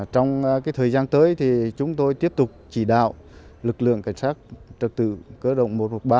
trong thời gian tới thì chúng tôi tiếp tục chỉ đạo lực lượng cảnh sát trật tự cơ động một trăm một mươi ba